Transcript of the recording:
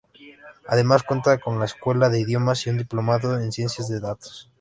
Además cuenta con la Escuela de Idiomas y un Diplomado en Ciencia de Datos.